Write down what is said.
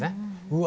うわ。